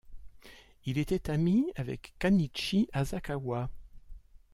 Il était ami avec Kan'ichi Asakawa.